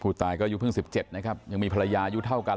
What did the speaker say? ตายก็อายุเพิ่ง๑๗นะครับยังมีภรรยายุเท่ากัน